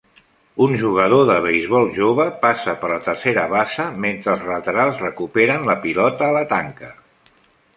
Un jugador de beisbol jove passa per la tercera base mentre els laterals recuperen la pilota a la tanca.